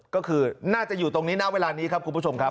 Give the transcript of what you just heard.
ก็คือน่าจะอยู่ตรงนี้ณเวลานี้ครับคุณผู้ชมครับ